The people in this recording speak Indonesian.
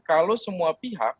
kalau semua pihak